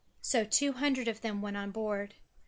So two hundred of them went on board.